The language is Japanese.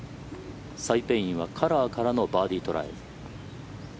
サイ・ペイインはカラーからのバーディートライ。